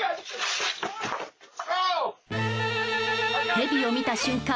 ヘビを見た瞬間